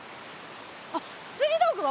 あっつり道具は？